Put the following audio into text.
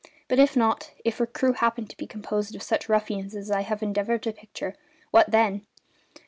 But if not if her crew happened to be composed of such ruffians as I have endeavoured to picture, what then?